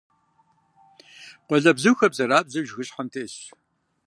Къуалэбзухэр бзэрабзэу жыгыщхьэм тесщ.